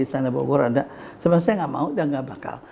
sebenernya saya gak mau dan gak bakal